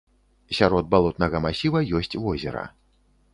Сярод балотнага масіва ёсць возера.